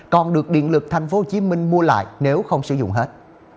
còn được điện lực tp hcm mua lại nếu không sử dụng hết